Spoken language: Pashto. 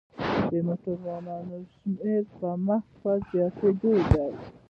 د موټرونو شمیر مخ په زیاتیدو دی.